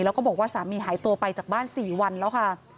แล้วก็บอกว่าสามีหายตัวไปจากบ้าน๔วันแล้วค่ะ